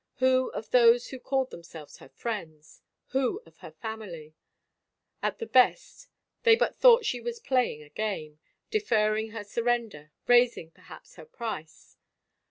Who of those who called themselves her friends? Who of her family? At the best, they but thought she was playing a game, deferring her surrender, raising, perhaps, her price.